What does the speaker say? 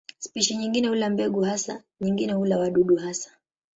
Spishi nyingine hula mbegu hasa, nyingine hula wadudu hasa.